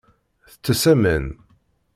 Tettess aman.